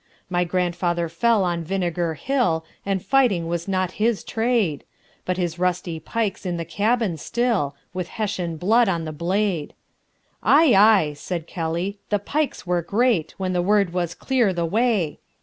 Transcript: My grandfather fell on Vinegar Hill, And fighting was not his trade; But his rusty pike's in the cabin still, With Hessian blood on the blade." "Aye, aye," said Kelly, "the pikes were great When the word was 'Clear the way!'